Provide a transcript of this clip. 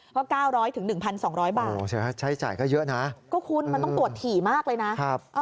เพราะ๙๐๐๑๒๐๐บาทใช้จ่ายก็เยอะนะก็คุณมันต้องตรวจถี่มากเลยนะ